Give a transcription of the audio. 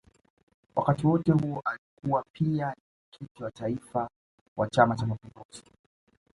Wakati wote huo alikuwa pia ni Mwenyekiti wa Taifa wa Chama cha Mapinduzi